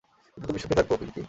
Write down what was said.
কিন্তু তুমি সুখী থাকো, পিংকী।